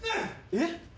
えっ？